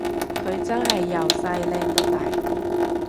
佢真係由細靚到大